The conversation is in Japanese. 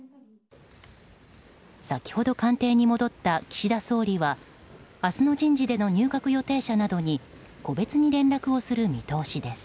先ほど官邸に戻った岸田総理は明日の人事での入閣予定者などに個別に連絡をする見通しです。